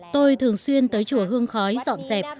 tôi thường xuyên tới chùa hương khói dọn dẹp